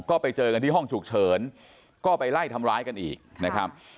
ก็ไปเจอกันที่ห้องฉุกเฉินก็ไปไล่ทำร้ายกันอีกนะครับ